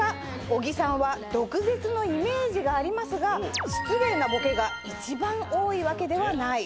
小木さんは毒舌のイメージがありますが失礼なボケが一番多いわけではない。